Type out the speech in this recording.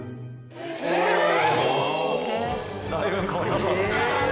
おだいぶ変わりましたね。